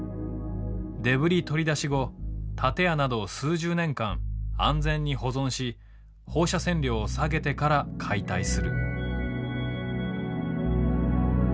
デブリ取り出し後建屋などを数十年間安全に保存し放射線量を下げてから解体する。